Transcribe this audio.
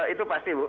itu pasti ibu